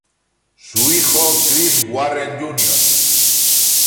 Su hijo Chris Warren, Jr.